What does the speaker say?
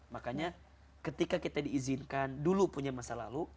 makanya ketika kita diizinkan dulu punya masa lalu